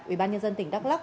ủy ban nhân dân tỉnh đắk lắc